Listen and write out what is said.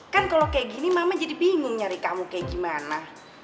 kan kalau kayak gini mama jadi bingung nyari kamu kayak gimana